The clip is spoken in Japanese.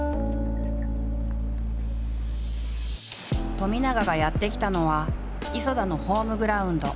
冨永がやって来たのは磯田のホームグラウンド